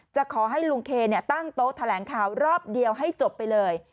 จะขอให้ลุงเคตั้งโต๊ะแถลงข่าวรอบเดียวให้จบไปเลย